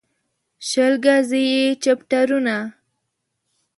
شل ګزي يې چپټرونه